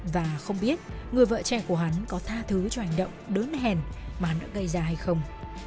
và không biết người vợ trẻ của hắn có tha thứ cho hành động đớn hèn mà đã gây ra hay không